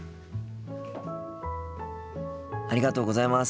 ありがとうございます。